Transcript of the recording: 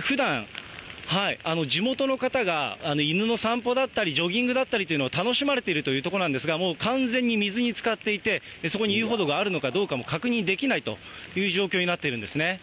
ふだん、地元の方が犬の散歩だったり、ジョギングだったり、楽しまれているという所なんですが、もう完全に水につかっていて、そこに遊歩道があるのかどうかも確認できないという状況になっているんですね。